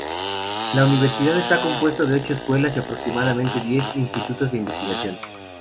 La universidad está compuesto de ocho escuelas y aproximadamente diez institutos de investigación.